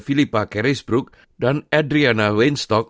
philippa kerisbrook dan adriana weinstock